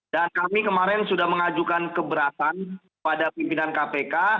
dan kami kemarin sudah mengajukan keberatan pada pimpinan kpk